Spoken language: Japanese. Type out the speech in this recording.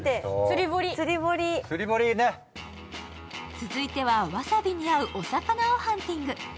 続いては、わさびに合うお魚をハンティング。